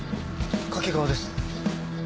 掛川です。